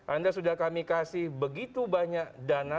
anda sudah kami kasih begitu banyak dana